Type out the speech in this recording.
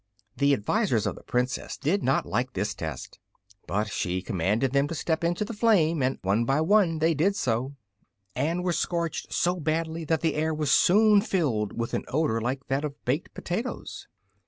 The advisors of the Princess did not like this test; but she commanded them to step into the flame and one by one they did so, and were scorched so badly that the air was soon filled with an odor like that of baked potatoes.